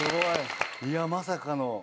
いやまさかの。